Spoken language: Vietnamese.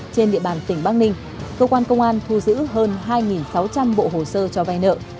trên địa bàn tỉnh bắc ninh cơ quan công an thu giữ hơn hai sáu trăm linh bộ hồ sơ cho vay nợ